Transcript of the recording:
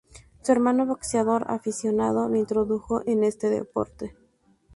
Su hermano, boxeador aficionado, le introdujo en este deporte.